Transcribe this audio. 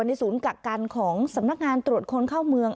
ศูนย์กักกันของสำนักงานตรวจคนเข้าเมือง